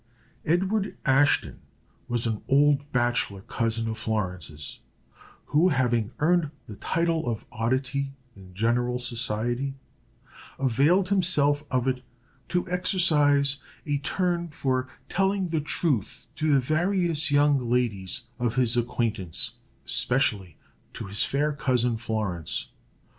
Edward Ashton was an old bachelor cousin of Florence's, who, having earned the title of oddity, in general society, availed himself of it to exercise a turn for telling the truth to the various young ladies of his acquaintance, especially to his fair cousin Florence.